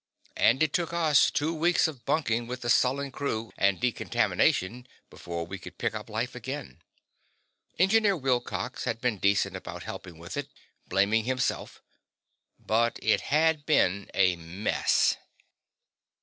And it took us two weeks of bunking with the sullen crew and decontamination before we could pick up life again. Engineer Wilcox had been decent about helping with it, blaming himself. But it had been a mess.